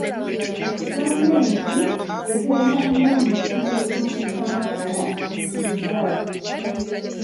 Gavumenti eteeka nnyo mu kitundutundu ky'amafuta ne ggaasi.